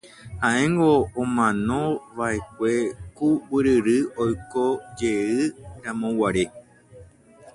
Ha'éngo omanova'ekue ku guyryry oikojeyramoguare.